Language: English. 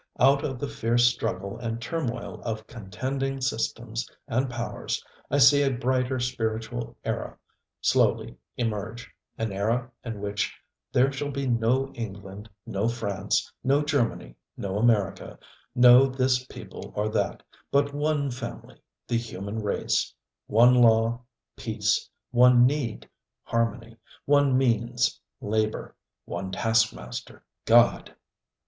ŌĆØ Out of the fierce struggle and turmoil of contending systems and powers I see a brighter spiritual era slowly emerge an era in which there shall be no England, no France, no Germany, no America, no this people or that, but one family, the human race; one law, peace; one need, harmony; one means, labor; one taskmaster, God.